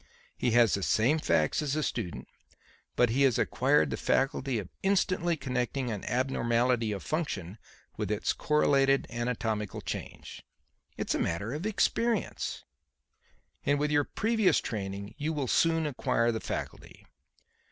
He has the same facts as the student, but he has acquired the faculty of instantly connecting an abnormality of function with its correleated anatomical change. It is a matter of experience. And, with your previous training, you will soon acquire the faculty.